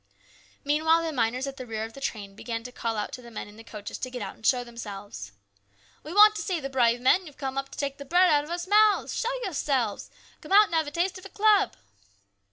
Meanwhile the miners at the rear of the train began to call out to the men in the coaches to get out and show themselves. " We wants to see the brave men who have come up to take bread out of us mouths ! Show your selves ! Come out and have a taste of a club